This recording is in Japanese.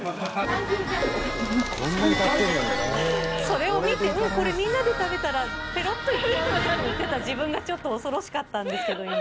それを見てそれみんなで食べたらぺろっといっちゃうねって言ってた自分がちょっと恐ろしかったんですけど今。